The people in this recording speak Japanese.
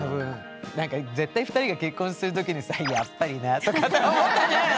絶対２人が結婚する時にさ「やっぱりな」とかって思ったんじゃないの？